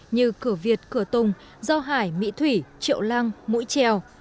như cửa việt cửa tùng do hải mỹ thủy triệu lăng mũi trèo